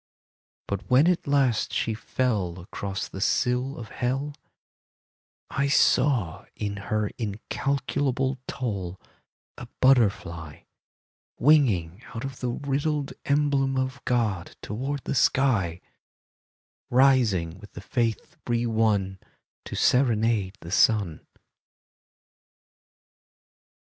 But when at last she fell Across the sill of hell, 17 I saw in her incalculable toll A butterfly, Winging out of the riddled emblem of God Toward the sky;— Rising with the Faith re won To serenade the sun.